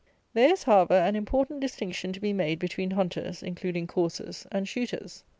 There is, however, an important distinction to be made between hunters (including coursers) and shooters.